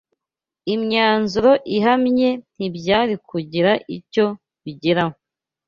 imyanzuro ihamye ntibyari kugira icyo bigeraho